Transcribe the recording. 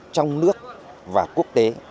trong nước và quốc tế